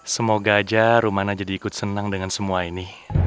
semoga aja rumana jadi ikut senang dengan semua ini